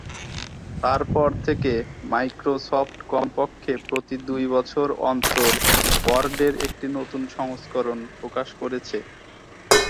তার পর থেকে মাইক্রোসফ্ট কমপক্ষে প্রতি দুই বছর অন্তর ওয়ার্ডের একটি নতুন সংস্করণ প্রকাশ করেছে।